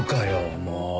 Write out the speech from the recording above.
もう。